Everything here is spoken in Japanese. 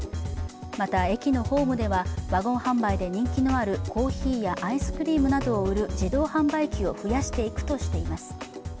また、駅のホームではワゴン販売で人気のあるコーヒーやアイスクリームなどを売る自動販売機を増やしていくとしています。